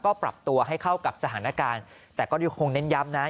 ก็ปรับตัวให้เข้ากับสถานการณ์แต่ก็คงเน้นย้ำนะ